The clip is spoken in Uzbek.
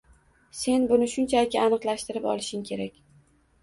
Sen buni shunchaki aniqlashtirib olishing kerak.